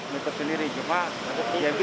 menikmati sendiri cuma